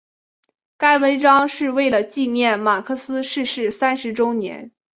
该文章是为了纪念马克思逝世三十周年。